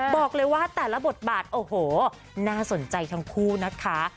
บอกเลยว่าแต่ละบทบาทโอ้โหน่าสนใจทั้งคู่นะคะ